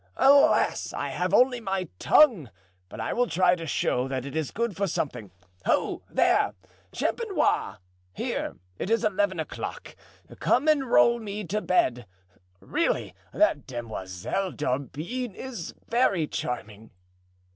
Alas, I have only my tongue, but I will try to show that it is good for something. Ho, there, Champenois! here, it is eleven o'clock. Come and roll me to bed. Really, that Demoiselle d'Aubigne is very charming!"